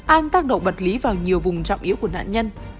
an tác động bật lý vào nhiều vùng trọng yếu của nạn nhân